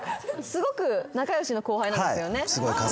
すごく仲良しの後輩なんですよね？